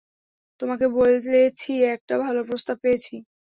তোমাকে বলেছি একটা ভালো প্রস্তাব পেয়েছি।